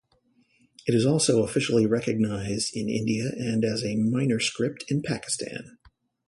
It is also officially recognized in India and as a minor script in Pakistan.